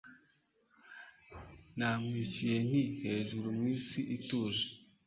Namwishuye nti Hejuru mw'isi ituje